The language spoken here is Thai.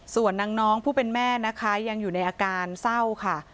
ส่วนนางน้องผู้เป็นแม่นะคะยังอยู่ในอาการเศร้าค่ะ